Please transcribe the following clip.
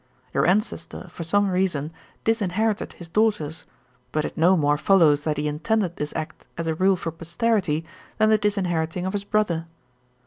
'Your ancestor, for some reason, disinherited his daughters; but it no more follows that he intended this act as a rule for posterity, than the disinheriting of his brother.